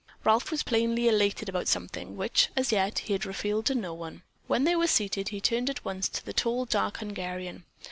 Ralph was plainly elated about something, which, as yet, he had revealed to no one. When they were seated, he turned at once to the tall, dark Hungarian.